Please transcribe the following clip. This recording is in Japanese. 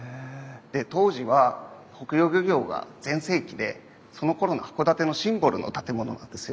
で当時は北洋漁業が全盛期でそのころの函館のシンボルの建物なんですよね。